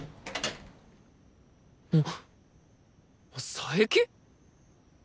佐伯！？